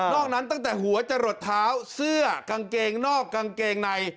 อกนั้นตั้งแต่หัวจะหลดเท้าเสื้อกางเกงนอกกางเกงใน